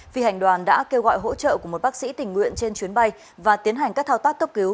phi hành đoàn đã kêu gọi hỗ trợ của một bác sĩ tình nguyện trên chuyến bay và tiến hành các thao tác cấp cứu